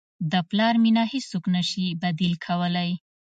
د پلار مینه هیڅوک نه شي بدیل کولی.